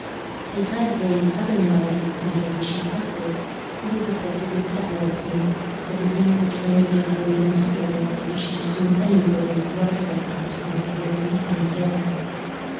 Besides various other maladies under which he suffered, he was afflicted with epilepsy, a disease which rendered it wholly unsuitable that he should assume any burdens whatever of responsibility and care.